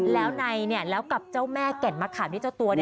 แล้วไหนเนี่ยแล้วกับเจ้าแม่แก่นมะขามที่เจ้าตัวเนี่ย